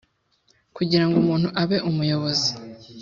Kugirango umuntu abe umuyobozi